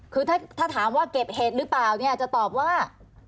คือถ้าถามว่าเก็บเห็ดหรือเปล่าเนี่ยจะตอบว่า